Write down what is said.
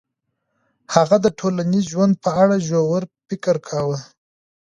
هغه د ټولنیز ژوند په اړه ژور فکر کاوه.